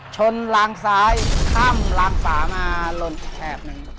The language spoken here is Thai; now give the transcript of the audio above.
ชนลางซ้ายข้ามลางเปล่ามารนแขบหนึ่ง